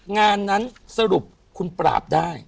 งานนั้นสรุปคุณปราบได้